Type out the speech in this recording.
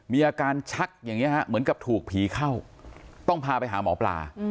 มีอาการชักอย่างนี้เหมือนกับถูกผีเข้าต้องพาไปหาหมอปลา